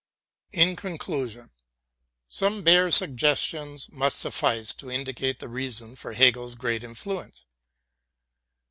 In conclusion, some bare suggestions must suffice to indi cate the reason for Hegel's great influence.